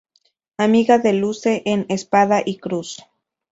Amiga de Luce en Espada y Cruz.